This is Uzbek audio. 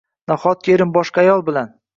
Nahotki erim boshqa ayol bilan